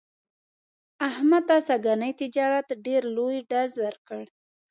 احمد ته سږني تجارت ډېر لوی ډز ور کړ.